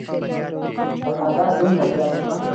تقاضا دومره زیاته شوه.